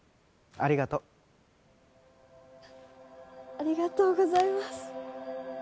ありがとうございます。